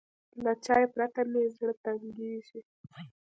له چای پرته مې زړه تنګېږي.